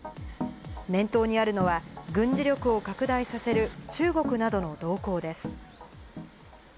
念頭にあるのは、軍事力を拡大させる中国などの動向です。